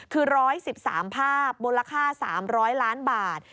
คือ๑๑๓ภาพมูลค่า๓๐๐ล้านบาท